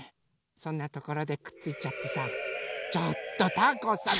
そんなところでくっついちゃってさちょっとたこさん